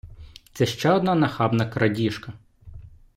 Це ще одна нахабна крадіжка.